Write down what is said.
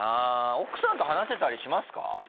奥さんと話せたりしますか？